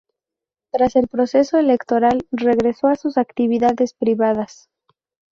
Tras el proceso electoral, regresó a sus actividades privadas.